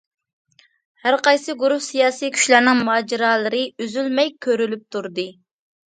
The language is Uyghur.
ھەر قايسى گۇرۇھ، سىياسىي كۈچلەرنىڭ ماجىرالىرى ئۈزۈلمەي كۆرۈلۈپ تۇردى.